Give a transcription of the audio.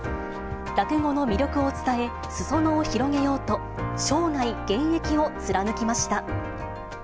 落語の魅力を伝え、すそ野を広げようと、生涯現役を貫きました。